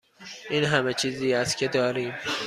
این همه چیزی است که داریم.